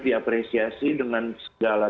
diapresiasi dengan segala